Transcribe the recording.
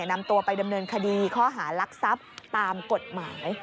นำตัวไปดำเนินคดีข้อหารักทรัพย์ตามกฎหมาย